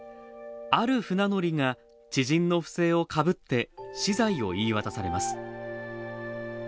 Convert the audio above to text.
ある船乗りが知人の不正をかぶって、死罪を言い渡されます。